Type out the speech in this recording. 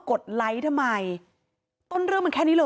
กลุ่มวัยรุ่นฝั่งพระแดง